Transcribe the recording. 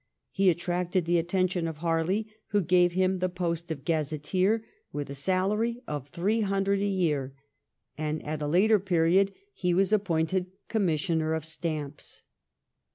He attracted the attention of Harley, who gave him the post of gazetteer, with a salary of three hundred a year, and at a later period 1709 *THE TATLEK.' 171 he was appointed Commissioner of Stamps.